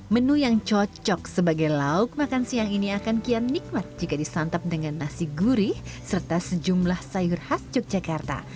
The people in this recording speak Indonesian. menu yang cocok sebagai lauk makan siang ini akan kian nikmat jika disantap dengan nasi gurih serta sejumlah sayur khas yogyakarta